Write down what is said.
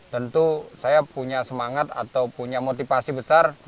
tentu saya punya semangat atau punya motivasi besar